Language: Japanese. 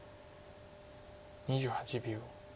２８秒。